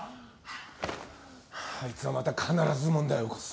あいつはまた必ず問題を起こす。